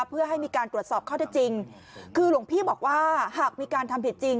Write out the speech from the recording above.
เพื่อให้มีการตรวจสอบข้อได้จริงคือหลวงพี่บอกว่าหากมีการทำผิดจริง